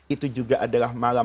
itu juga adalah malam